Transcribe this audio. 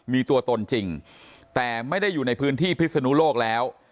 มีตัวตนจริงแต่ไม่ได้อยู่ในพื้นที่พิศนุโลกแล้ว